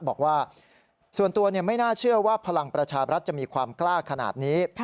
บอกว่าส่วนตัวไม่น่าเชื่อว่าพลังประชาบรัฐจะมีความกล้าขนาดนี้